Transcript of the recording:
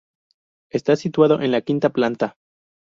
Está situado en la quinta planta.